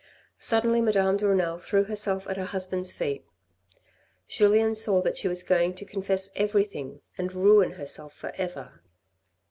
Suddenly Madame de Renal threw herself at her husband's feet; Julien saw that she was going to confess everything and ruin herself for ever.